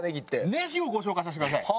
ねぎをご紹介させてください。